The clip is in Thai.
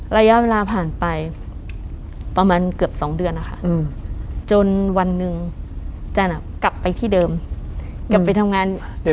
ระยะเวลาผ่านไปประมาณเกือบ๒เดือนนะคะจนวันหนึ่งจันกลับไปที่เดิมกลับไปทำงาน